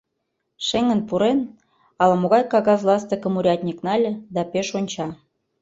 Шеҥын пурен, ала-могай кагаз ластыкым урядник нале да пеш онча.